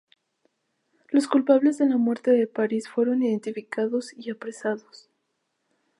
Los culpables de la muerte de París fueron identificados y apresados.